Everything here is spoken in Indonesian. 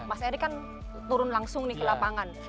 mas erick kan turun langsung nih ke lapangan